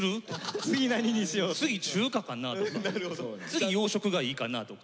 次中華かなとか次洋食がいいかなとか。